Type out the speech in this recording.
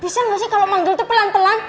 bisa gak sih kalo manggil tuh pelan pelan